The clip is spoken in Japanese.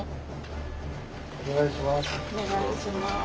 お願いします。